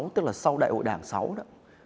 tức là sau đại hội đảng sáu đó